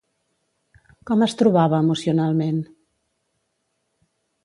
Com es trobava emocionalment?